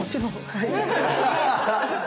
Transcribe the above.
はい。